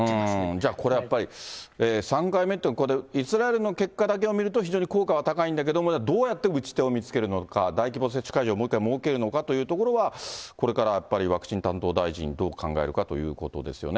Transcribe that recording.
じゃあ、これやっぱり、３回目って、イスラエルの結果だけを見ると、非常に効果は高いんだけども、どうやって打ち手を見つけるのか、大規模接種会場をもう一回設けるのかというところは、これからやっぱり、ワクチン担当大臣、どう考えるかということですよね。